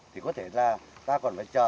thì có thể là ta còn phải chờ